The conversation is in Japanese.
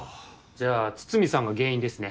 じゃあ筒見さんが原因ですね。